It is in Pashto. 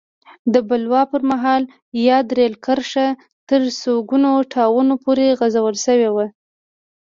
د بلوا پر مهال یاده رېل کرښه تر سونګو ټاون پورې غځول شوې وه.